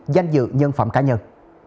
danh dự nhân phẩm cá nhân